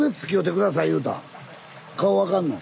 顔分かんの？